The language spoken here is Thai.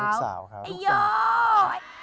ลูกสาวครับ